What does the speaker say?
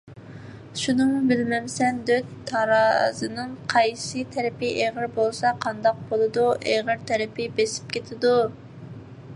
_ شۇنىمۇ بىلمەمسەن دۆت، تارازىنىڭ قايسى تەرىپى ئېغىر بولسا قانداق بولىدۇ؟ _ ئېغىر تەرىپى بېسىپ كېتىدۇ.